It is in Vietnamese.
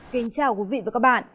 kính chào quý vị và các bạn